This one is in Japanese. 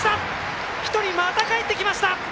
１人またかえってきました！